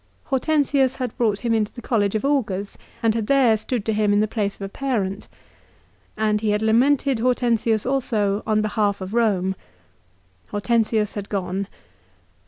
Hor tensius had brought him into the college of Augurs, and had there stood to him in the place of a parent. And he had lamented Hortensius also on behalf of Eome. Hortensius had gone.